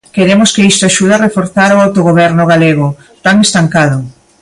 Queremos que isto axude a reforzar o autogoberno galego, tan estancado.